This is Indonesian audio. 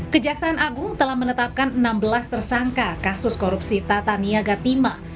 kejaksaan agung telah menetapkan enam belas tersangka kasus korupsi tata niaga tima